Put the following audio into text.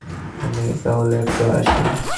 আমি তাহলে একটু আসি।